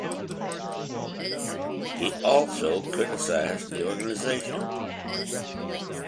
He also criticised the organisation.